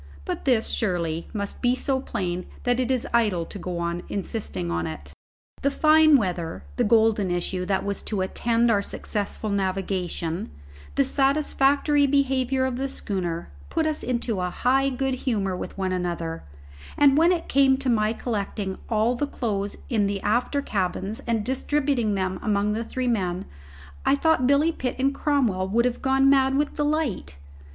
But this, surely, must be so plain that it is idle to go on insisting on it. The fine weather, the golden issue that was to attend our successful navigation, the satisfactory behaviour of the schooner, put us into a high good humour with one another; and when it came to my collecting all the clothes in the after cabins and distributing them among the three men, I thought Billy Pitt and Cromwell would have gone mad with delight.